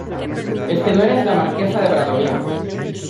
es que no eres la Marquesa de Bradomín.